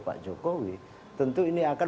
pak jokowi tentu ini akan